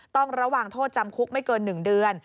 ต้องระวังโทษจำคุกไม่เกิน๑เดือน